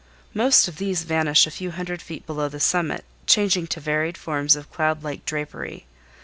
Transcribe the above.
Most of these vanish a few hundred feet below the summit, changing to varied forms of cloud like drapery.